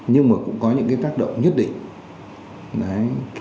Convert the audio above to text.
nhưng mà cũng có những tác động nhất định